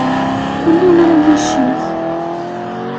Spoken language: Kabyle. I limer ad niccig!